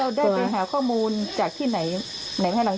มั่นใจในวัคซีนไหมครับอืมมั่นใจไม่กลัวไม่กลัวเออ